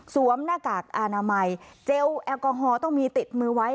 หน้ากากอนามัยเจลแอลกอฮอลต้องมีติดมือไว้